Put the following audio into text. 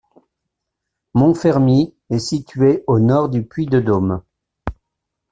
Montfermy est situé au nord du Puy-de-Dôme.